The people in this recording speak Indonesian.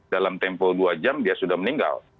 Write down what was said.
dalam tempo dua jam dia sudah meninggal